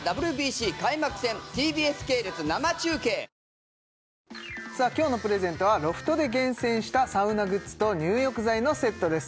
あの日本の名湯懐かしいね今日のプレゼントはロフトで厳選したサウナグッズと入浴剤のセットです